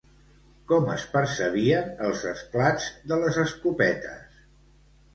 Com es percebien els esclats de les escopetes?